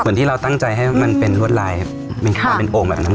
เหมือนที่เราตั้งใจให้มันเป็นรวดลายมีความเป็นโอ่งแบบนั้นเลย